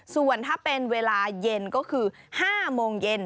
ส่วนถ้าเป็นเวลาเย็นก็คือ๕โมงเย็น